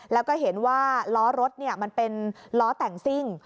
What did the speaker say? แล้วก็เห็นว่าล้อรถมันเป็นล้อแต่งซิ่ง